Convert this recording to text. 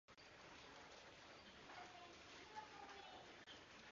His season was blighted by numerous engine failures, suffering no less than six.